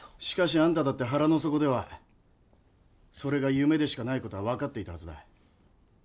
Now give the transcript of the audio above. しかしあんただって腹の底ではそれが夢でしかない事は分かっていたはずだ。